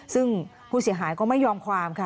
ซึ่งผู้เสียหายก็ไม่ยอมความค่ะ